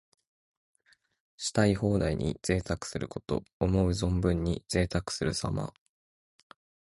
したい放題に贅沢すること。思う存分にぜいたくするさま。